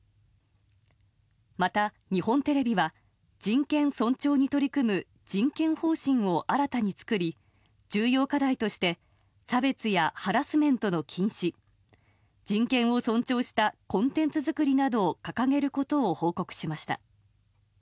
また、日本テレビは人権尊重に取り組む人権方針を新たに作り重要課題として差別やハラスメントの禁止人権を尊重したコンテンツ作りなどを掲げることを報告しました。